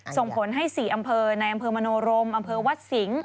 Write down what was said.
ส่งผลให้๔อำเภอในอำเภอมโนรมอำเภอวัดสิงห์